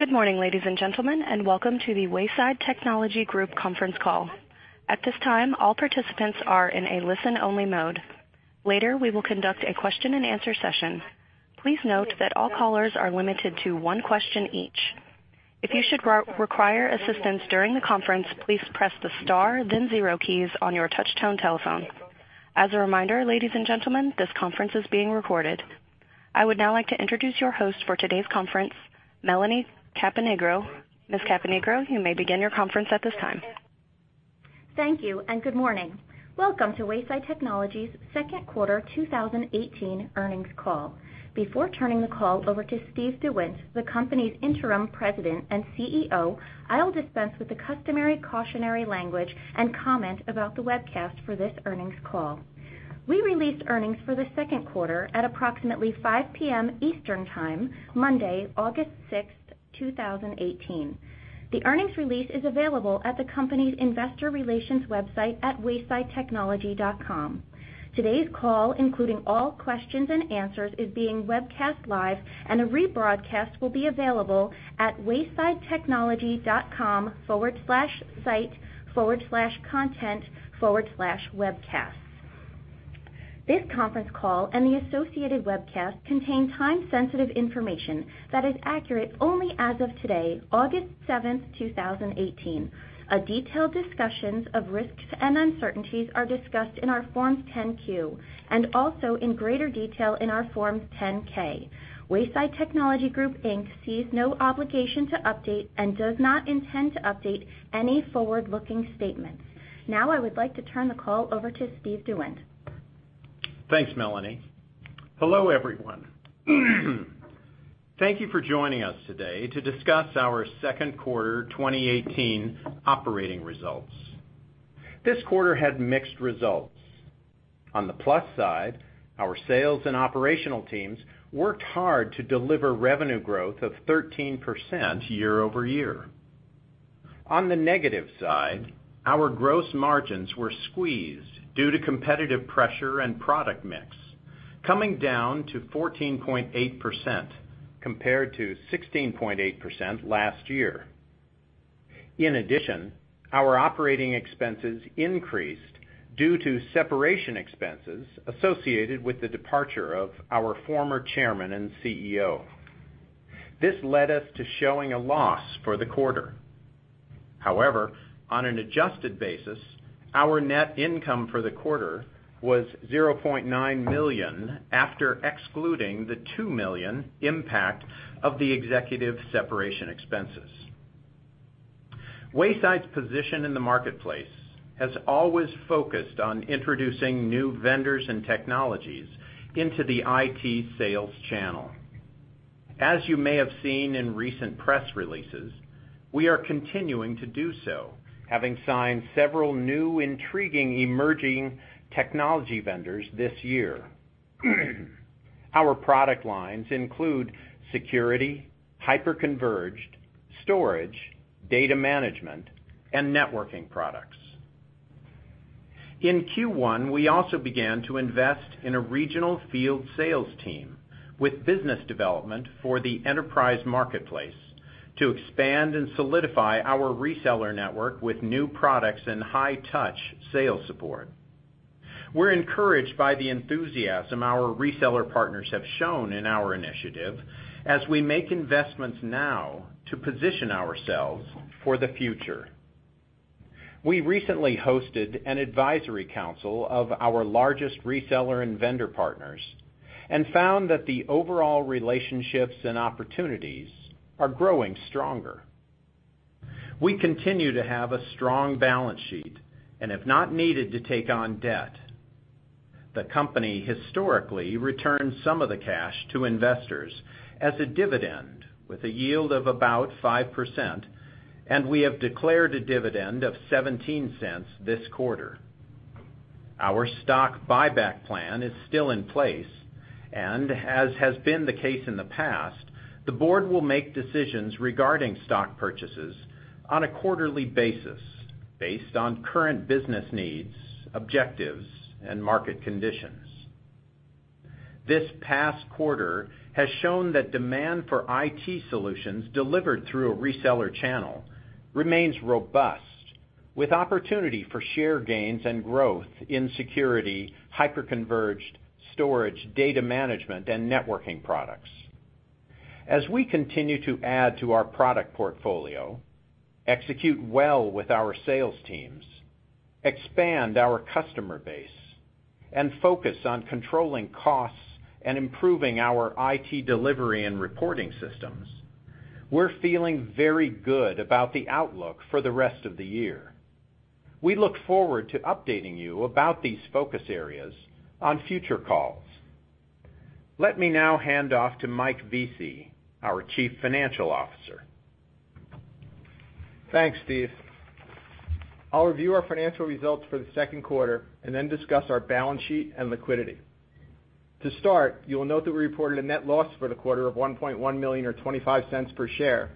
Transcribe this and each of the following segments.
Good morning, ladies and gentlemen, and welcome to the Wayside Technology Group conference call. At this time, all participants are in a listen-only mode. Later, we will conduct a question and answer session. Please note that all callers are limited to one question each. If you should require assistance during the conference, please press the star, then zero keys on your touch-tone telephone. As a reminder, ladies and gentlemen, this conference is being recorded. I would now like to introduce your host for today's conference, Melanie Caponigro. Ms. Caponigro, you may begin your conference at this time. Thank you, and good morning. Welcome to Wayside Technology's second quarter 2018 earnings call. Before turning the call over to Steve DeWindt, the company's Interim President and Chief Executive Officer, I'll dispense with the customary cautionary language and comment about the webcast for this earnings call. We released earnings for the second quarter at approximately five P.M. Eastern Time, Monday, August 6th, 2018. The earnings release is available at the company's investor relations website at waysidetechnology.com. Today's call, including all questions and answers, is being webcast live and a rebroadcast will be available at waysidetechnology.com/site/content/webcasts. This conference call and the associated webcast contain time-sensitive information that is accurate only as of today, August 7th, 2018. A detailed discussions of risks and uncertainties are discussed in our Forms 10-Q and also in greater detail in our Forms 10-K. Wayside Technology Group Inc. sees no obligation to update and does not intend to update any forward-looking statements. Now I would like to turn the call over to Steve DeWindt. Thanks, Melanie. Hello, everyone. Thank you for joining us today to discuss our second quarter 2018 operating results. This quarter had mixed results. On the plus side, our sales and operational teams worked hard to deliver revenue growth of 13% year-over-year. On the negative side, our gross margins were squeezed due to competitive pressure and product mix, coming down to 14.8% compared to 16.8% last year. In addition, our operating expenses increased due to separation expenses associated with the departure of our former Chairman and CEO. This led us to showing a loss for the quarter. However, on an adjusted basis, our net income for the quarter was $0.9 million after excluding the $2 million impact of the executive separation expenses. Wayside's position in the marketplace has always focused on introducing new vendors and technologies into the IT sales channel. As you may have seen in recent press releases, we are continuing to do so, having signed several new intriguing emerging technology vendors this year. Our product lines include security, hyper-converged, storage, data management, and networking products. In Q1, we also began to invest in a regional field sales team with business development for the enterprise marketplace to expand and solidify our reseller network with new products and high-touch sales support. We're encouraged by the enthusiasm our reseller partners have shown in our initiative as we make investments now to position ourselves for the future. We recently hosted an advisory council of our largest reseller and vendor partners and found that the overall relationships and opportunities are growing stronger. We continue to have a strong balance sheet and have not needed to take on debt. The company historically returned some of the cash to investors as a dividend with a yield of about 5%, and we have declared a dividend of $0.17 this quarter. Our stock buyback plan is still in place, and as has been the case in the past, the board will make decisions regarding stock purchases on a quarterly basis, based on current business needs, objectives, and market conditions. This past quarter has shown that demand for IT solutions delivered through a reseller channel remains robust, with opportunity for share gains and growth in security, hyper-converged storage, data management, and networking products. As we continue to add to our product portfolio, execute well with our sales teams, expand our customer base, and focus on controlling costs and improving our IT delivery and reporting systems, we're feeling very good about the outlook for the rest of the year. We look forward to updating you about these focus areas on future calls. Let me now hand off to Michael Vesey, our Chief Financial Officer. Thanks, Steve. I'll review our financial results for the second quarter and then discuss our balance sheet and liquidity. To start, you'll note that we reported a net loss for the quarter of $1.1 million or $0.25 per share,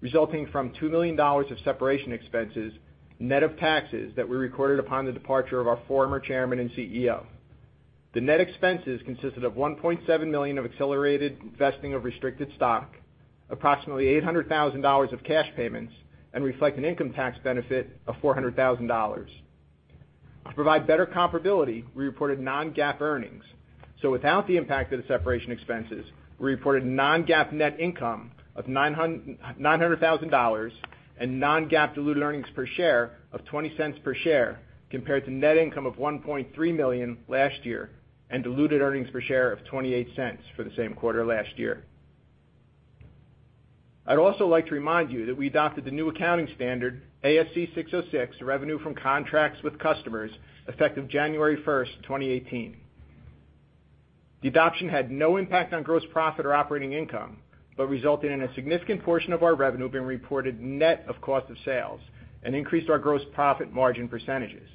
resulting from $2 million of separation expenses, net of taxes that we recorded upon the departure of our former Chairman and CEO. The net expenses consisted of $1.7 million of accelerated vesting of restricted stock, approximately $800,000 of cash payments, and reflect an income tax benefit of $400,000. Without the impact of the separation expenses, we reported non-GAAP net income of $900,000 and non-GAAP diluted earnings per share of $0.20 per share, compared to net income of $1.3 million last year, and diluted earnings per share of $0.28 for the same quarter last year. I'd also like to remind you that we adopted the new accounting standard, ASC 606, Revenue from Contracts with Customers, effective January 1st, 2018. The adoption had no impact on gross profit or operating income, but resulted in a significant portion of our revenue being reported net of cost of sales and increased our gross profit margin percentages.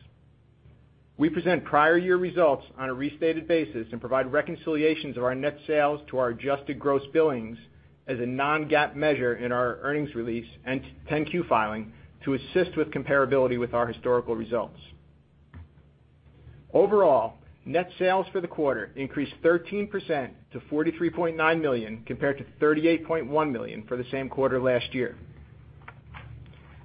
We present prior year results on a restated basis and provide reconciliations of our net sales to our adjusted gross billings as a non-GAAP measure in our earnings release and 10-Q filing to assist with comparability with our historical results. Overall, net sales for the quarter increased 13% to $43.9 million, compared to $38.1 million for the same quarter last year.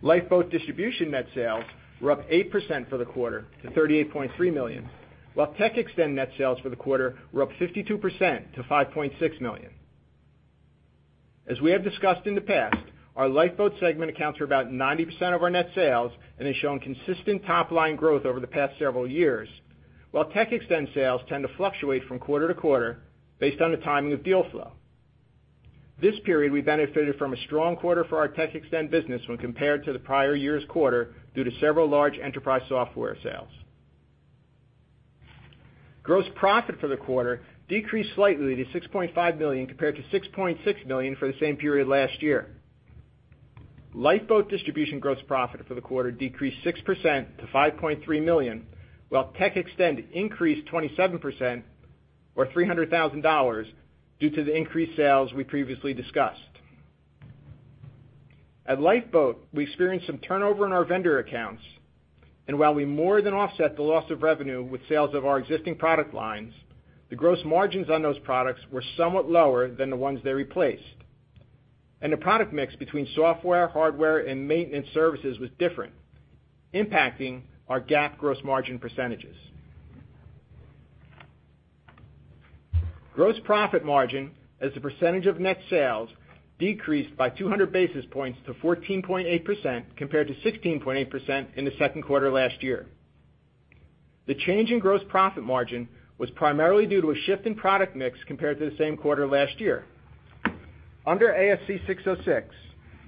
Lifeboat Distribution net sales were up 8% for the quarter to $38.3 million, while TechXtend net sales for the quarter were up 52% to $5.6 million. As we have discussed in the past, our Lifeboat segment accounts for about 90% of our net sales and has shown consistent top-line growth over the past several years, while TechXtend sales tend to fluctuate from quarter to quarter based on the timing of deal flow. This period, we benefited from a strong quarter for our TechXtend business when compared to the prior year's quarter due to several large enterprise software sales. Gross profit for the quarter decreased slightly to $6.5 million, compared to $6.6 million for the same period last year. Lifeboat Distribution gross profit for the quarter decreased 6% to $5.3 million, while TechXtend increased 27%, or $300,000, due to the increased sales we previously discussed. At Lifeboat, we experienced some turnover in our vendor accounts, while we more than offset the loss of revenue with sales of our existing product lines, the gross margins on those products were somewhat lower than the ones they replaced. The product mix between software, hardware, and maintenance services was different, impacting our GAAP gross margin percentages. Gross profit margin as a percentage of net sales decreased by 200 basis points to 14.8%, compared to 16.8% in the second quarter last year. The change in gross profit margin was primarily due to a shift in product mix compared to the same quarter last year. Under ASC 606,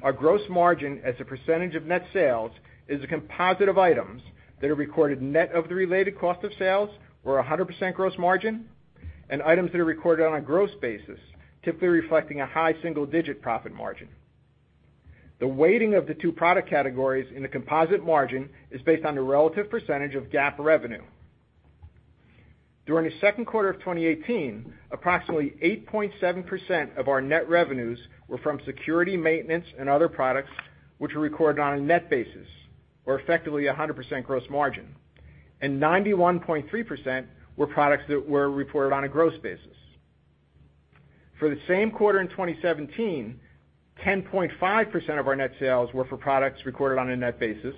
our gross margin as a percentage of net sales is a composite of items that are recorded net of the related cost of sales or 100% gross margin, and items that are recorded on a gross basis, typically reflecting a high single-digit profit margin. The weighting of the two product categories in the composite margin is based on the relative percentage of GAAP revenue. During the second quarter of 2018, approximately 8.7% of our net revenues were from security maintenance and other products which were recorded on a net basis, or effectively 100% gross margin, and 91.3% were products that were reported on a gross basis. For the same quarter in 2017, 10.5% of our net sales were for products recorded on a net basis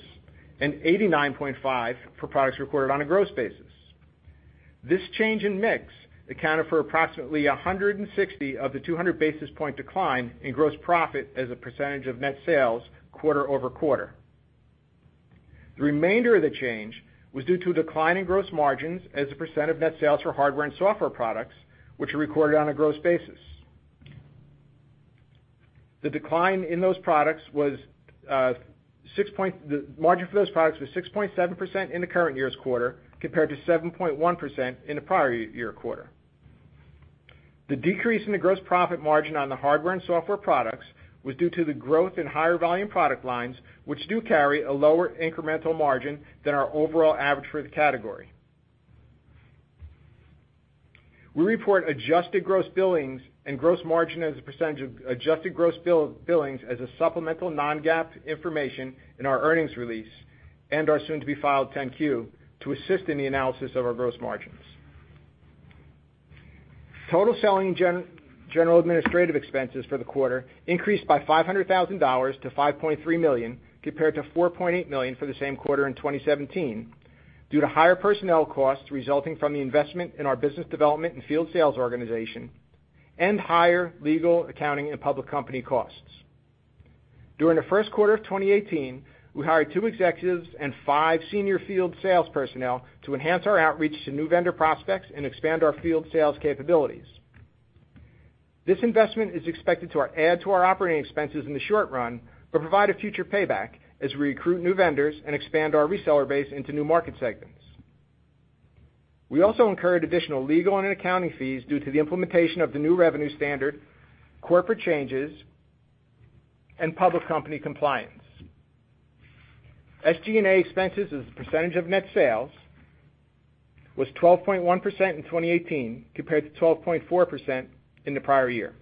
and 89.5% for products recorded on a gross basis. This change in mix accounted for approximately 160 of the 200 basis point decline in gross profit as a percentage of net sales quarter-over-quarter. The remainder of the change was due to a decline in gross margins as a percentage of net sales for hardware and software products, which are recorded on a gross basis. The margin for those products was 6.7% in the current year's quarter, compared to 7.1% in the prior year quarter. The decrease in the gross profit margin on the hardware and software products was due to the growth in higher volume product lines, which do carry a lower incremental margin than our overall average for the category. We report adjusted gross billings and gross margin as a percentage of adjusted gross billings as a supplemental non-GAAP information in our earnings release and our soon-to-be filed 10-Q to assist in the analysis of our gross margins. Total selling general administrative expenses for the quarter increased by $500,000 to $5.3 million, compared to $4.8 million for the same quarter in 2017, due to higher personnel costs resulting from the investment in our business development and field sales organization and higher legal, accounting, and public company costs. During the first quarter of 2018, we hired two executives and five senior field sales personnel to enhance our outreach to new vendor prospects and expand our field sales capabilities. This investment is expected to add to our operating expenses in the short run, but provide a future payback as we recruit new vendors and expand our reseller base into new market segments. We also incurred additional legal and accounting fees due to the implementation of the new revenue standard, corporate changes, and public company compliance. SG&A expenses as a percentage of net sales was 12.1% in 2018, compared to 12.4% in the prior year. For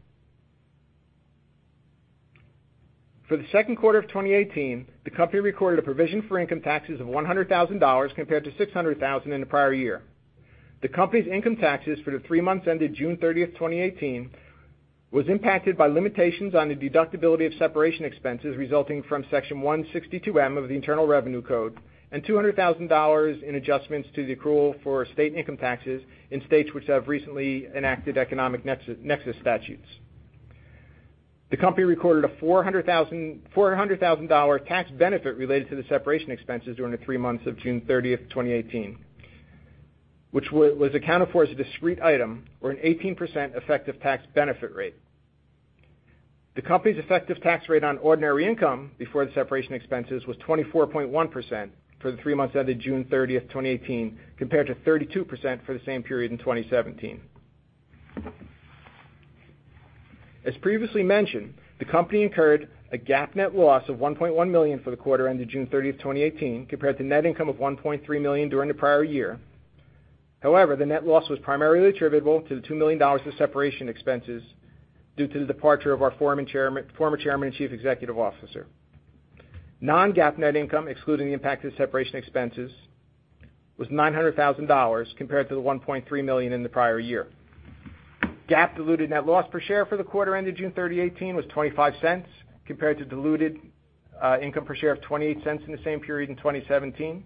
the second quarter of 2018, the company recorded a provision for income taxes of $100,000 compared to $600,000 in the prior year. The company's income taxes for the three months ended June 30th, 2018, was impacted by limitations on the deductibility of separation expenses resulting from Section 162 of the Internal Revenue Code and $200,000 in adjustments to the accrual for state income taxes in states which have recently enacted economic nexus statutes. The company recorded a $400,000 tax benefit related to the separation expenses during the three months of June 30th, 2018, which was accounted for as a discrete item or an 18% effective tax benefit rate. The company's effective tax rate on ordinary income before the separation expenses was 24.1% for the three months ended June 30th, 2018, compared to 32% for the same period in 2017. As previously mentioned, the company incurred a GAAP net loss of $1.1 million for the quarter ended June 30th, 2018, compared to net income of $1.3 million during the prior year. However, the net loss was primarily attributable to the $2 million of separation expenses due to the departure of our former chairman and chief executive officer. Non-GAAP net income, excluding the impact of separation expenses, was $900,000 compared to the $1.3 million in the prior year. GAAP diluted net loss per share for the quarter ended June 30, 2018, was $0.25 compared to diluted income per share of $0.28 in the same period in 2017.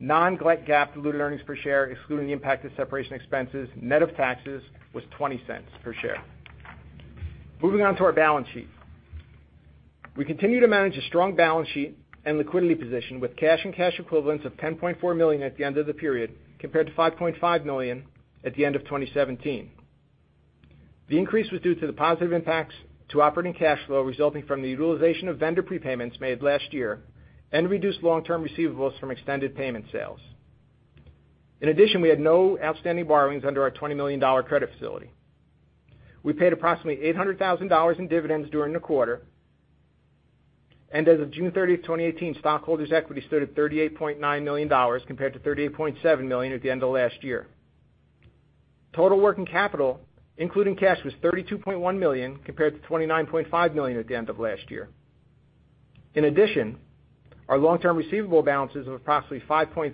Non-GAAP diluted earnings per share, excluding the impact of separation expenses, net of taxes, was $0.20 per share. Moving on to our balance sheet. We continue to manage a strong balance sheet and liquidity position with cash and cash equivalents of $10.4 million at the end of the period, compared to $5.5 million at the end of 2017. The increase was due to the positive impacts to operating cash flow resulting from the utilization of vendor prepayments made last year and reduced long-term receivables from extended payment sales. We had no outstanding borrowings under our $20 million credit facility. We paid approximately $800,000 in dividends during the quarter. As of June 30, 2018, stockholders' equity stood at $38.9 million, compared to $38.7 million at the end of last year. Total working capital, including cash, was $32.1 million, compared to $29.5 million at the end of last year. Our long-term receivable balances of approximately $5.3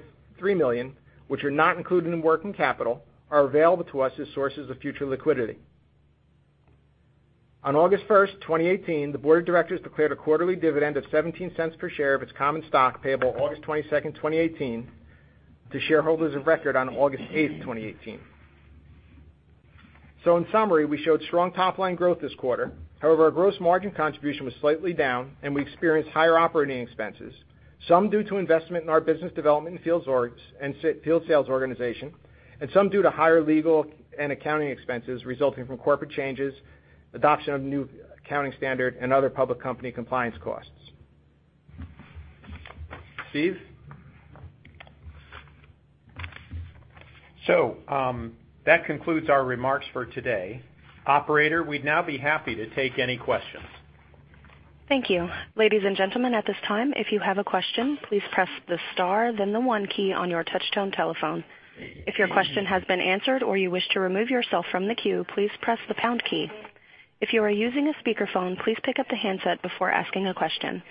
million, which are not included in working capital, are available to us as sources of future liquidity. On August 1, 2018, the board of directors declared a quarterly dividend of $0.17 per share of its common stock payable August 22, 2018, to shareholders of record on August 8, 2018. In summary, we showed strong top-line growth this quarter. However, our gross margin contribution was slightly down, and we experienced higher operating expenses, some due to investment in our business development and field sales organization, and some due to higher legal and accounting expenses resulting from corporate changes, adoption of new accounting standard and other public company compliance costs. Steve? That concludes our remarks for today. Operator, we'd now be happy to take any questions. Thank you. Ladies and gentlemen, at this time, if you have a question, please press the star then the one key on your touchtone telephone. If your question has been answered or you wish to remove yourself from the queue, please press the pound key. If you are using a speakerphone, please pick up the handset before asking a question.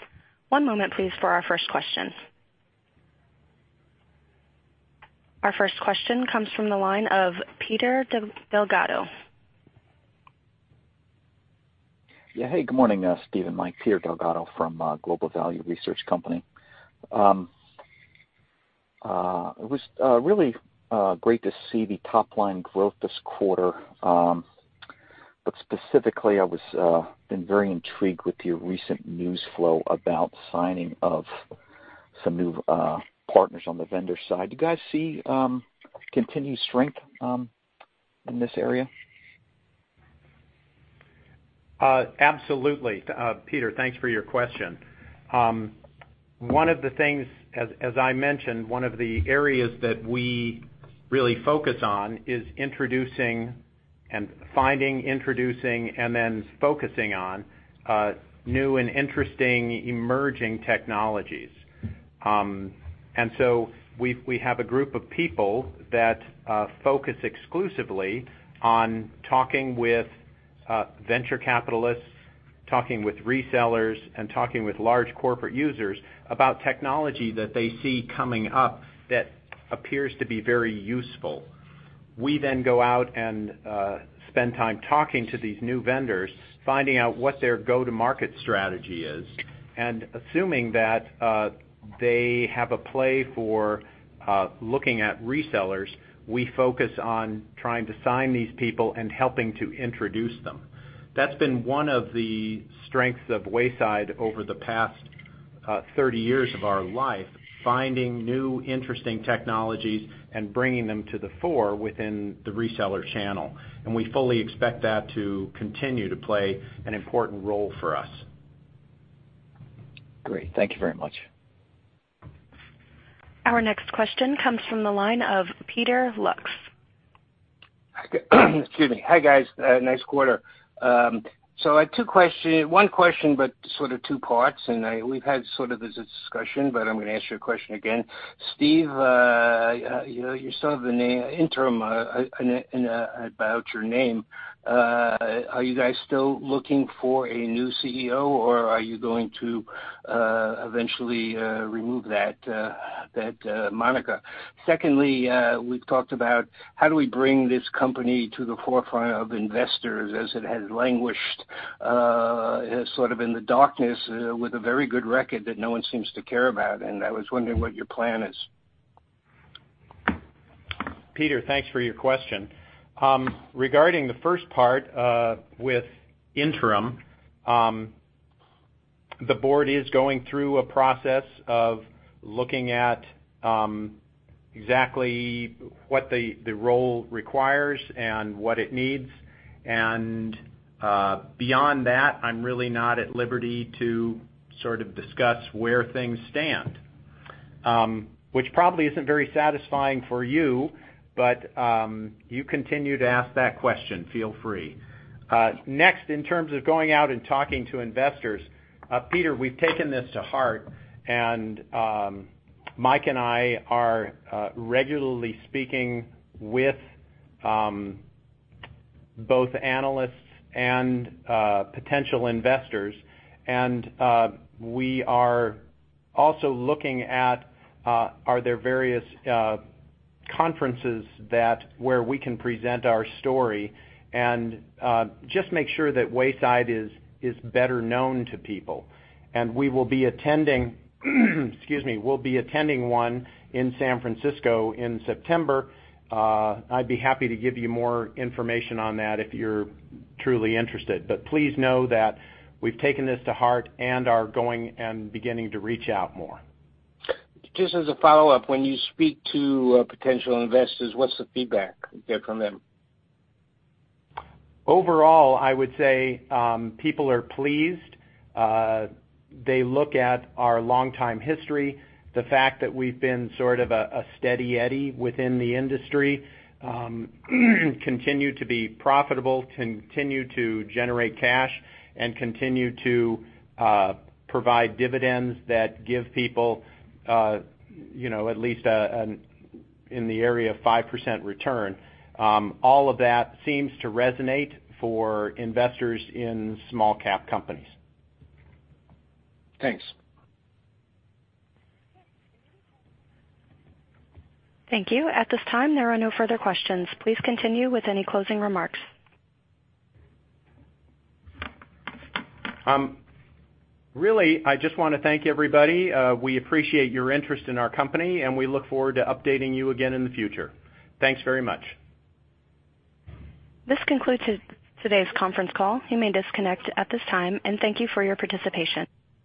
One moment, please, for our first question. Our first question comes from the line of Peter Delgado. Yeah. Hey, good morning, Steve and Mike. Peter Delgado from Global Value Research Company. It was really great to see the top-line growth this quarter. Specifically, I was very intrigued with your recent news flow about signing of some new partners on the vendor side. Do you guys see continued strength in this area? Absolutely. Peter, thanks for your question. As I mentioned, one of the areas that we really focus on is finding, introducing, then focusing on new and interesting emerging technologies. We have a group of people that focus exclusively on talking with venture capitalists, talking with resellers, and talking with large corporate users about technology that they see coming up that appears to be very useful. We then go out and spend time talking to these new vendors, finding out what their go-to-market strategy is, assuming that they have a play for looking at resellers, we focus on trying to sign these people and helping to introduce them. That's been one of the strengths of Wayside over the past 30 years of our life, finding new, interesting technologies and bringing them to the fore within the reseller channel. We fully expect that to continue to play an important role for us. Great. Thank you very much. Our next question comes from the line of Peter Lux. Excuse me. Hi guys. Nice quarter. I have one question, but sort of two parts, and we've had sort of this discussion, but I'm going to ask you a question again. Steve, you still have the interim about your name. Are you guys still looking for a new CEO or are you going to eventually remove that moniker? Secondly, we've talked about how do we bring this company to the forefront of investors as it has languished sort of in the darkness with a very good record that no one seems to care about. I was wondering what your plan is. Peter, thanks for your question. Regarding the first part, with interim, the board is going through a process of looking at exactly what the role requires and what it needs. Beyond that, I'm really not at liberty to sort of discuss where things stand. Which probably isn't very satisfying for you, but you continue to ask that question, feel free. Next, in terms of going out and talking to investors, Peter, we've taken this to heart and Mike and I are regularly speaking with both analysts and potential investors, and we are also looking at are there various conferences where we can present our story and just make sure that Wayside is better known to people. We will be attending one in San Francisco in September. I'd be happy to give you more information on that if you're truly interested. Please know that we've taken this to heart and are going and beginning to reach out more. Just as a follow-up, when you speak to potential investors, what's the feedback you get from them? Overall, I would say people are pleased. They look at our longtime history, the fact that we've been sort of a steady eddy within the industry, continue to be profitable, continue to generate cash, and continue to provide dividends that give people at least in the area of 5% return. All of that seems to resonate for investors in small cap companies. Thanks. Thank you. At this time, there are no further questions. Please continue with any closing remarks. Really, I just want to thank everybody. We appreciate your interest in our company, and we look forward to updating you again in the future. Thanks very much. This concludes today's conference call. You may disconnect at this time, and thank you for your participation.